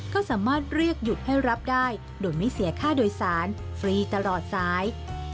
ก็สามารถเรียกหยุดให้รับได้โดยไม่เสียค่าโดยสารฟรีตลอดสาย